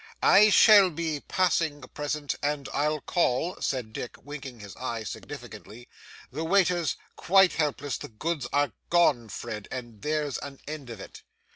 'I shall be passing present, and I'll call,' said Dick, winking his eye significantly. 'The waiter's quite helpless. The goods are gone, Fred, and there's an end of it.